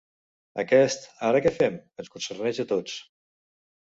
Aquest ‘ara què fem?’ ens concerneix a tots.